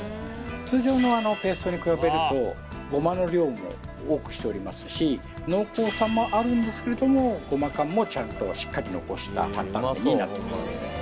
通常のペーストに比べるとごまの量も多くしておりますし濃厚さもあるんですけれどもごま感もちゃんとしっかり残した担々麺になってます